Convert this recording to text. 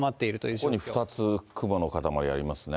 ここに２つ雲のかたまりがありますね。